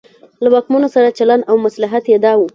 له واکمنو سره چلن او مصلحت یې دا و.